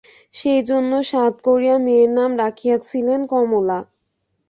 সেইজন্য সাধ করিয়া মেয়ের নাম রাখিয়াছিলেন কমলা।